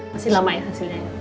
masih lama ya hasilnya